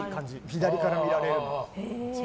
左から見られるの。